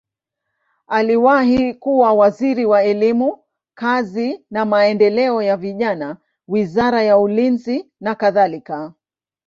Aliwahi kuwa waziri wa elimu, kazi na maendeleo ya vijana, wizara ya ulinzi nakadhalika.